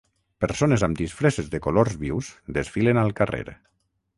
Persones amb disfresses de colors vius desfilen al carrer.